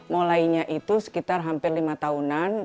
mulainya itu sekitar hampir lima tahunan